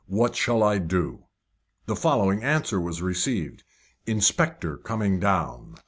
What shall I do?" The following answer was received: "Inspector coming down."